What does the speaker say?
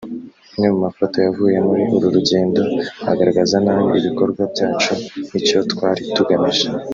amwe mu mafoto yavuye muri uru rugendo agaragaza nabi ibikorwa byacu n’icyo twari tugamije